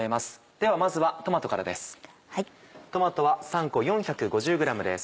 ではまずはトマトからです。